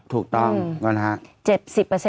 ถูกต้องก่อนฮะ